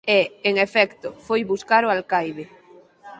E, en efecto, foi buscar o alcaide.